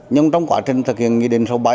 nhưng trong quá trình thực hiện nghị định số bảy